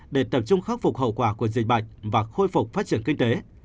để tập trung khắc phục hậu quả của dịch bệnh và khôi phục phát triển kinh tế